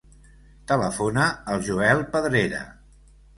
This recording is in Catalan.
Telefona al Joel Pedrera.